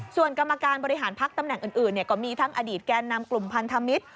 ส่วนกรรมการบริหารพักตำแหน่งอื่นก็มีทั้งอดีตแกนนำกลุ่มพันธมิตร